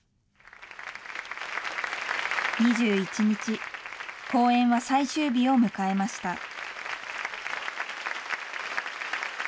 ２１日、公演は最終日を迎えました。